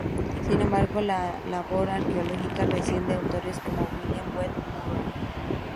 Sin embargo la labor arqueológica reciente de autores como William Breen Murray.